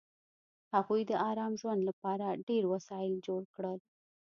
هغوی د ارام ژوند لپاره ډېر وسایل جوړ کړل